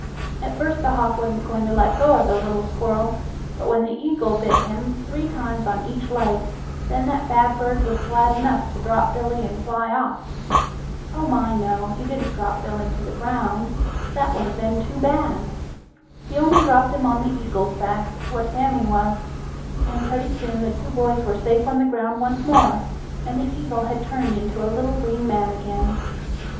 At first the hawk wasn't going to let go of the little squirrel, but when the eagle bit him three times on each leg, then that bad bird was glad enough to drop Billie and fly off. Oh, my, no, he didn't drop Billie to the ground; that would have been too bad. He only dropped him on the eagle's back, where Sammie was, and pretty soon the two boys were safe on the ground once more, and the eagle had turned into a little green man again.